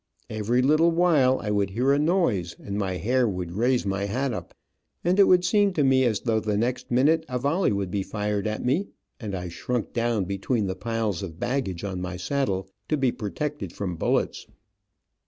Every little while I would hear a noise, and my hair would raise my hat up, and it would seem to me as though the next minute a volley would be fired at me, and I shrunk down between the piles of baggage on my saddle to be protected from bullets.